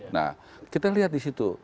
nah kita lihat disitu